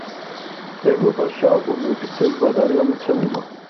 ევროპაში ალბომი ოფიციალურად არ გამოცემულა.